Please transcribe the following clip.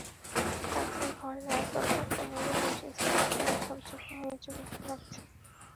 তাতে ঘরের আসবাবপত্রগুলো বেশ স্পষ্ট আর ঝকঝকে হয়ে চোখে লাগছে।